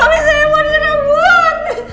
suami saya mau direbut